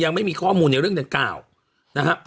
ยังไม่มีข้อมูลในเรื่องเดือน๙